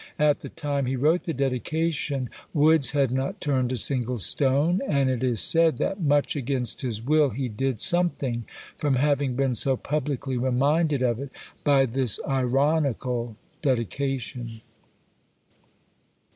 At the time he wrote the dedication, Woods had not turned a single stone, and it is said, that much against his will he did something, from having been so publicly reminded of it by this ironical dedication.